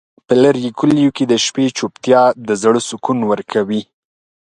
په لرې کلیو کې د شپې چوپتیا د زړه سکون ورکوي.